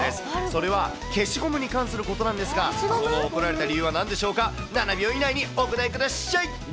それは消しゴムに関することなんですが、その怒られた理由はなんでしょうか、７秒以内にお答えくだしゃい。